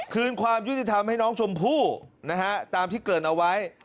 คืนความยุติธรรมให้น้องชมพู่นะฮะตามที่เกริ่นเอาไว้